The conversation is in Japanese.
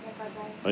はい。